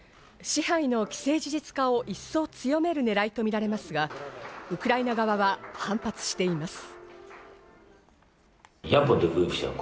支配の既成事実化を一層強める狙いとみられますが、ウクライナ側は反発しています。